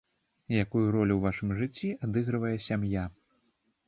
Якую ролю ў вашым жыцці адыгрывае сям'я?